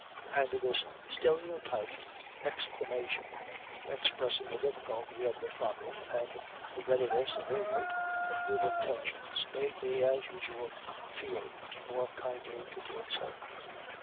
And this stereotyped exclamation, expressing the difficulty of the problem and the readiness (at any rate) of good intentions, made me, as usual, feel more kindly towards her.